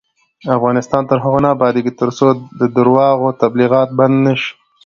افغانستان تر هغو نه ابادیږي، ترڅو د درواغو تبلیغات بند نشي.